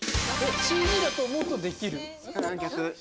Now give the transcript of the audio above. ＣＧだと思うと「できる」？逆。